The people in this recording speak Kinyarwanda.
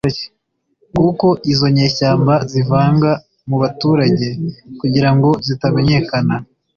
kuko izo nyeshyamba zivanga mu baturage kugirango zitamenyekana